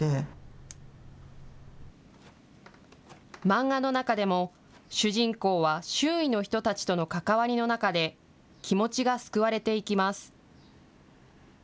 漫画の中でも、主人公は周囲の人たちとの関わりの中で、気持ちが救われていきます。